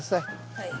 はい。